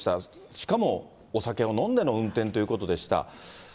しかもお酒を飲んでの運転ということでした。